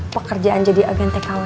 pekerjaan jadi agen tkw